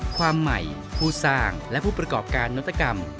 ความใหม่ผู้สร้างและผู้ประกอบการนวัตกรรม